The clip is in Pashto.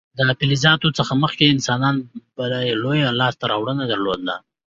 د فلزاتو څخه مخکې انسانانو بله لویه لاسته راوړنه درلوده.